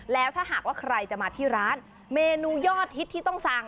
แล้วถ้าหากว่าใครจะมาที่ร้านเมนูยอดฮิตที่ต้องสั่ง